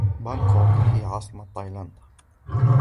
بانكوك هي عاصمة تايلاند.